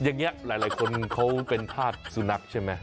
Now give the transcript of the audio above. อย่างนี้หลายคนเป็นภาพซูนักใช่ไหม